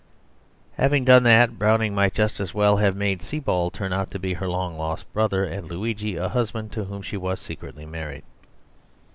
Having done that, Browning might just as well have made Sebald turn out to be her long lost brother, and Luigi a husband to whom she was secretly married.